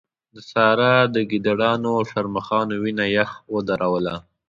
د سارا د ګيدړانو او شرموښانو وينه يخ ودروله.